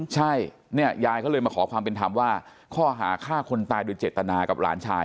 ใช่ยายก็เลยมาขอความเป็นธรรมว่าข้อหาค่าคนตายด้วยเจตนากับร้านชาย